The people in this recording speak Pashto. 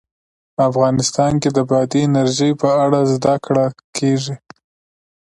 افغانستان کې د بادي انرژي په اړه زده کړه کېږي.